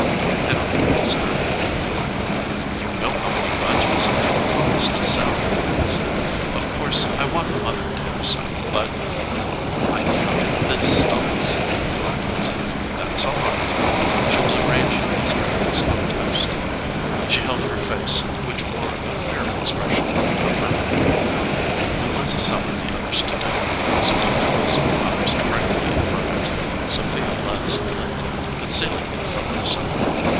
Henry looked disturbed. "You know how many bunches I have promised to sell," he said. "Of course I want Mother to have some, but " "I counted the stalks," replied Lizzie. "That s all right." She was arranging the asparagus on toast. She held her face, which wore a queer ex pression, averted from Henry. When Lizzie summoned the others to dinner, there was a tall vase of flowers directly in front of Sophia Ludd s plate, concealing it from her son.